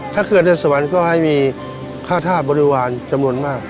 ถ้าเขื่อนในสวรรค์ก็ให้มีค่าธาตุบริวารจำนวนมาก